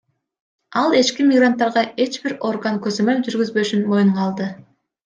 Ал ички мигранттарга эч бир орган көзөмөл жүргүзбөшүн моюнга алды.